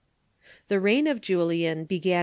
Tbe reign of Julian began a.